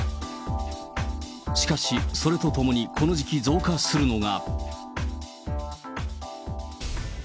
しかし、それとともにこの時期増加するのが。